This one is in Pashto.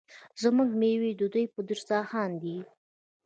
زموږ میوې د دوی په دسترخان دي.